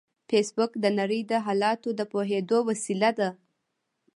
فېسبوک د نړۍ د حالاتو د پوهېدو وسیله ده